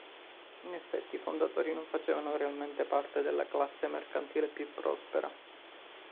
In effetti, i fondatori non facevano realmente parte della classe mercantile più prospera.